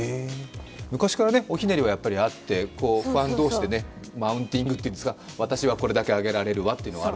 昔からおひねりはあって、ファン同士でマウンティングというんですか、私は、これだけあげられるわっていうのが。